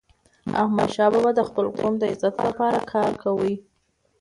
احمدشاه بابا د خپل قوم د عزت لپاره کار کاوه.